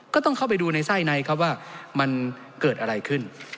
ก็ต้องเข้าไปดูในไส้ในครับว่ามันเกิดอะไรขึ้น